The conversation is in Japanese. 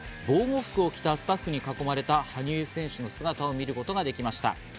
防護服を着たスタッフに囲まれた羽生選手の姿を見ることができました。